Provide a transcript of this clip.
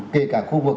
kể cả khu vực